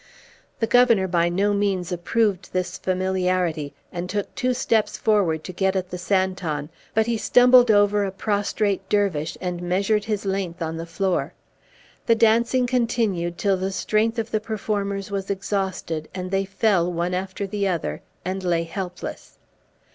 The Governor by no means approved this familiarity, and took two steps forward to get at the Santon, but he stumbled over a prostrate Dervise and measured his length on the floor. The dancing continued till the strength of the performers was exhausted, and they fell, one after the other, and lay helpless.